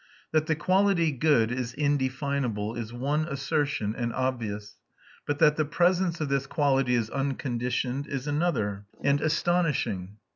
That the quality "good" is indefinable is one assertion, and obvious; but that the presence of this quality is unconditioned is another, and astonishing.